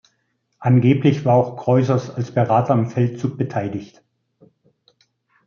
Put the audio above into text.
Angeblich war auch Kroisos als Berater am Feldzug beteiligt.